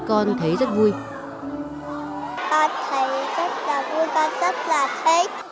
con thấy rất là vui con rất là thích